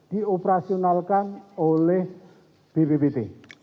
dioperasionalkan oleh bppt